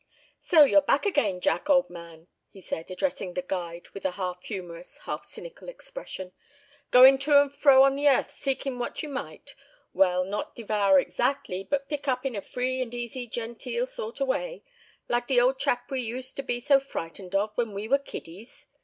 "So you're back again, Jack, old man!" he said, addressing the guide with a half humorous, half cynical expression. "Goin' to and fro on the earth, seekin' what you might—well, not devour exactly, but pick up in a free and easy, genteel sort o' way, like the old chap we used to be so frightened of when we were kiddies.